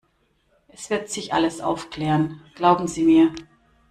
Es wird sich alles aufklären, glauben Sie mir!